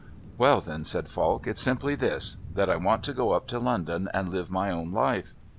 "Well, then," said Falk, "it's simply this that I want to go up to London and live my own life.